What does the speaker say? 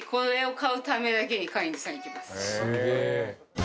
「すげえ！」